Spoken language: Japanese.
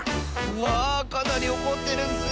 うわあかなりおこってるッス。